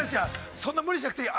そんな無理しなくていい。